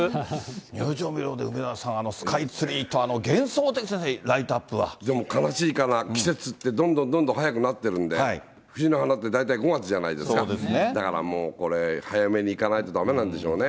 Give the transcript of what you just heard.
入場無料で梅沢さん、あのスカイツリーと幻想的ですね、ライでも悲しいかな、季節ってどんどんどんどん早くなってるんで、藤の花って、大体５月じゃないですか、だからもうこれ、早めに行かないとだめなんでしょうね。